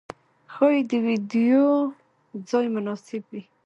ښايې د ويدېدو ځای مناسب وي.